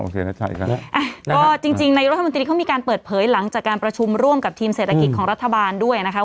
ก็จริงนายรัฐมนตรีเขามีการเปิดเผยหลังจากการประชุมร่วมกับทีมเศรษฐกิจของรัฐบาลด้วยนะคะ